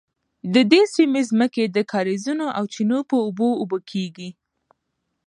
د دې سیمې ځمکې د کاریزونو او چینو په اوبو اوبه کیږي.